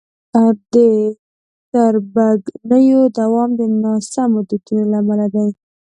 د تربګنیو دوام د ناسمو دودونو له امله دی.